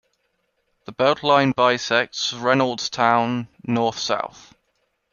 The BeltLine bisects Reynoldstown north-south.